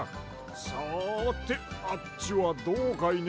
さてあっちはどうかいね。